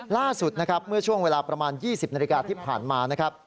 ล่าสุดนะครับเมื่อช่วงเวลาประมาณ๒๐นาฬิกาที่ผ่านมานะครับ